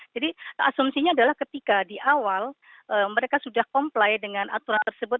jadi asumsinya adalah ketika di awal mereka sudah comply dengan aturan tersebut